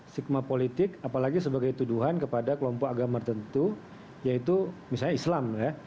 stigma politik apalagi sebagai tuduhan kepada kelompok agama tertentu yaitu misalnya islam ya